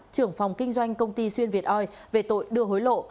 trưởng phòng kinh doanh công ty xuyên việt oi về tội đưa hối lộ